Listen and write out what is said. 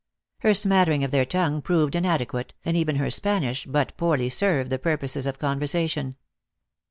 Her smattering of their tongue proved inadequate, and even her Spanish but poorly served the purposes of conversation.